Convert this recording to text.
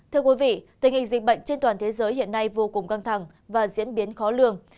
thưa quý vị tình hình dịch bệnh trên toàn thế giới hiện nay vô cùng căng thẳng và diễn biến khó lường